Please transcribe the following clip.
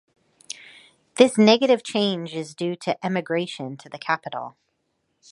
This negative change is due to emigration to the Capital.